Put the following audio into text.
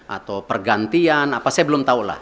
atau pergantian apa saya belum tahu lah